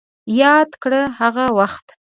ياده کړه هغه وخت